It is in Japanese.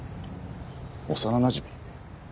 幼なじみ？